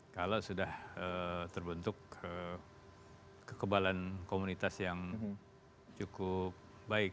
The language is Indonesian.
kalau sudah terbentuk kekebalan komunitas yang cukup baik